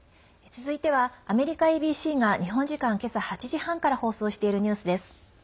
続いてはアメリカＡＢＣが日本時間、今朝８時半から放送しているニュースです。